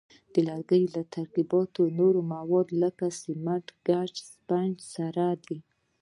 د لرګیو ترکیبات له نورو موادو لکه سمنټ، ګچ او اسفنج سره دي.